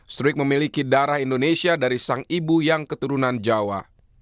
struik memiliki darah indonesia dari sang ibu yang keturunan jawa